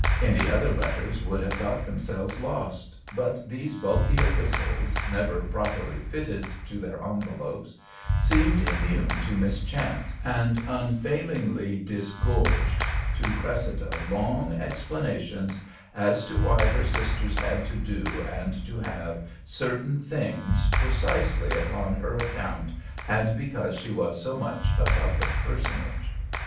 Any other letters would have got themselves lost, but these bulky epistles, never properly fitted to their envelopes, seemed immune to mischance and unfailingly disgorged to Cressida long explanations as to why her sisters had to do and to have certain things precisely upon her account and because she was so much a public personage.